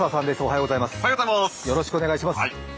よろしくお願いします。